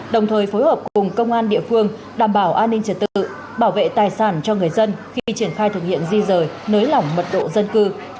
đồng thời phối hợp cùng công an địa phương đảm bảo an ninh trật tự bảo vệ tài sản cho người dân khi triển khai thực hiện di rời nới lỏng mật độ dân cư